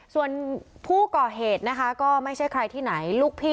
ส่วนผู้ก่อเหตุนะคะก็ไม่ใช่ใครที่ไหนลูกพี่